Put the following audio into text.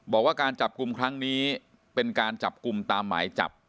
บอกว่าการจับกลุ่มครั้งนี้เป็นการจับกลุ่มตามหมายจับ